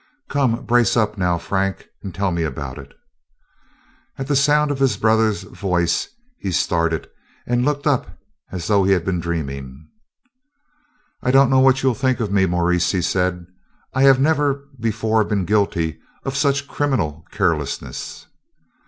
"Come, brace up now, Frank, and tell me about it." At the sound of his brother's voice he started and looked up as though he had been dreaming. "I don't know what you 'll think of me, Maurice," he said; "I have never before been guilty of such criminal carelessness."